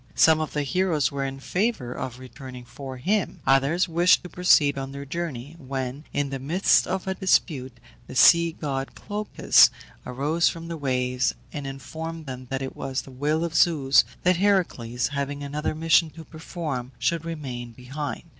Some of the heroes were in favour of returning for him, others wished to proceed on their journey, when, in the midst of the dispute, the sea god Glaucus arose from the waves, and informed them that it was the will of Zeus that Heracles, having another mission to perform, should remain behind.